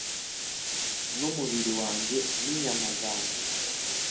n’umubiri wanjye n’inyama zanjye,